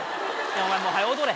お前もうはよ踊れ。